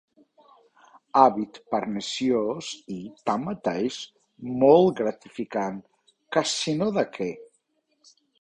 Hàbit perniciós i, tanmateix, molt gratificant, que sinó de què!